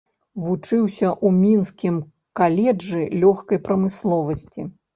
Вучыўся ў мінскім каледжы лёгкай прамысловасці.